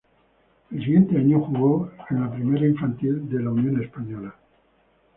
El siguiente año jugó en la primera infantil de Unión Española.